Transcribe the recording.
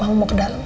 mama mau ke dalem